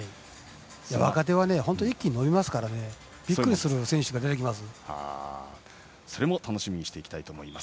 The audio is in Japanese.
若手は一気に伸びますからびっくりするような選手が出てきます。